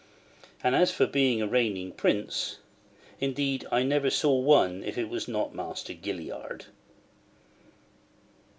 And as for being a reigning prince—indeed I never saw one if it was not Master Gilliard!